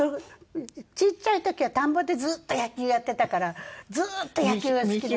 ちっちゃい時は田んぼでずっと野球やってたからずーっと野球が好きなの。